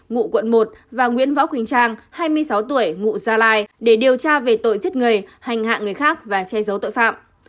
ngụ quận một và nguyễn võ quỳnh trang hai mươi sáu tuổi ngụ gia lai để điều tra về tội giết người hành hạ người khác và che giấu tội phạm